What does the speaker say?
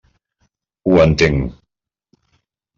Ho entenc.